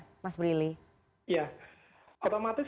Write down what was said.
dengan prinsip g luar bagian